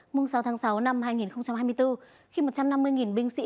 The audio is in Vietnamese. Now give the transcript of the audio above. mùng sáu tháng sáu năm hai nghìn hai mươi bốn khi một trăm năm mươi binh sĩ